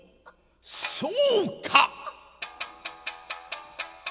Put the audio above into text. そうか」。